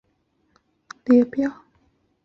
主要角色名称列表。